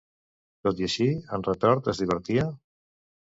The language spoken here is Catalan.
Tot i així en Retort es divertia?